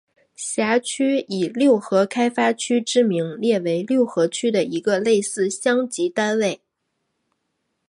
辖区以六合开发区之名列为六合区的一个类似乡级单位。